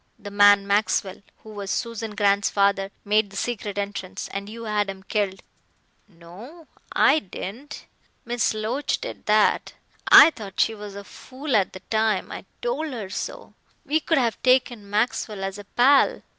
The man Maxwell, who was Susan Grant's father, made the secret entrance, and you had him killed." "No, I didn't. Miss Loach did that. I thought she was a fool at the time. I told her so. We could have taken Maxwell as a pal.